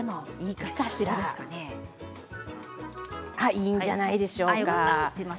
いいんじゃないでしょうか。